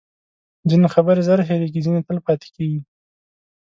ځینې خبرې زر هیرېږي، ځینې تل پاتې کېږي.